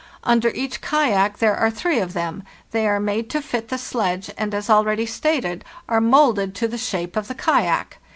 Under each kayak there are three of them, they are made to fit the sledge, and, as already stated, are moulded to the shape of the kayak.